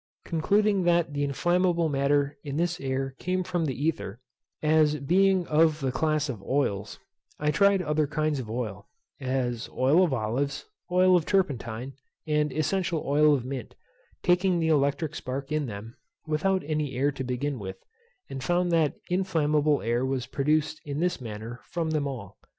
Concluding that the inflammable matter in this air came from the ether, as being of the class of oils, I tried other kinds of oil, as oil of olives, oil of turpentine, and essential oil of mint, taking the electric spark in them, without any air to begin with, and found that inflammable air was produced in this manner from them all.